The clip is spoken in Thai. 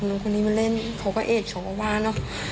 ลูกหนูมาเล่นเขาก็เอจเขาก็ว่าเนอะ